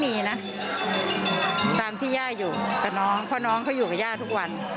มีนะตามที่ย่าอยู่กับน้องเพราะน้องเขาอยู่กับย่าทุกวัน